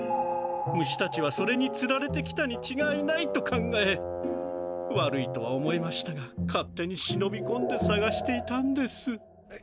虫たちはそれにつられて来たにちがいないと考え悪いとは思いましたが勝手にしのびこんでさがしていたんです。